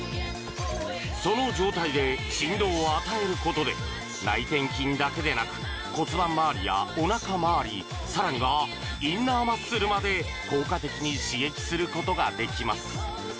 その状態で振動を与えることで内転筋だけでなく骨盤まわりやおなかまわりさらにはインナーマッスルまで効果的に刺激することができます